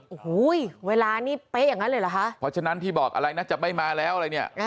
โอ้โหเวลานี่เป๊ะอย่างนั้นเลยเหรอคะเพราะฉะนั้นที่บอกอะไรนะจะไม่มาแล้วอะไรเนี่ย